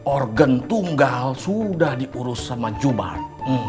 organ tunggal sudah diurus sama jubah